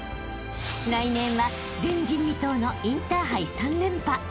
［来年は前人未到のインターハイ３連覇］